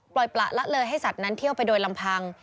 ประละเลยให้สัตว์นั้นเที่ยวไปโดยลำพัง